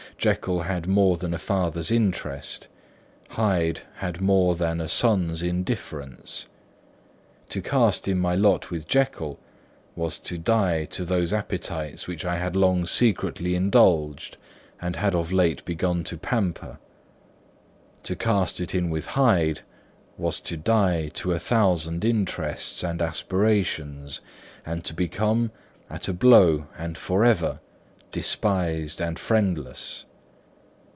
Jekyll had more than a father's interest; Hyde had more than a son's indifference. To cast in my lot with Jekyll, was to die to those appetites which I had long secretly indulged and had of late begun to pamper. To cast it in with Hyde, was to die to a thousand interests and aspirations, and to become, at a blow and forever, despised and friendless.